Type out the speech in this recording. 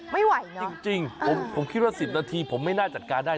ไม่ไหวนะจริงผมคิดว่า๑๐นาทีผมไม่น่าจัดการได้